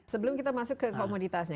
sebelum kita masuk ke komoditasnya